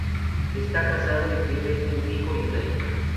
Está casado y tiene un hijo y una hija.